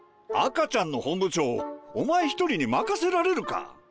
赤ちゃんの本部長をお前一人に任せられるか。